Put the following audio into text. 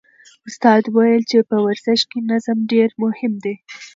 استاد وویل چې په ورزش کې نظم ډېر مهم دی.